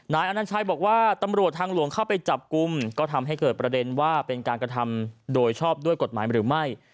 อนัญชัยบอกว่าตำรวจทางหลวงเข้าไปจับกลุ่มก็ทำให้เกิดประเด็นว่าเป็นการกระทำโดยชอบด้วยกฎหมายหรือไม่